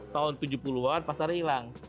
tahun tujuh puluh an pasarnya hilang